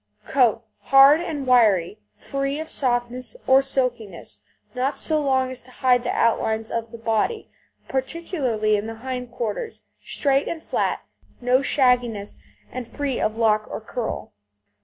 COAT Hard and wiry, free of softness or silkiness, not so long as to hide the outlines of the body, particularly in the hind quarters, straight and flat, no shagginess, and free of lock or curl.